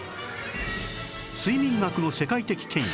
睡眠学の世界的権威柳沢正史